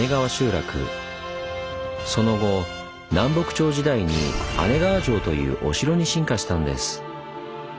その後南北朝時代に姉川城というお城に進化したんです。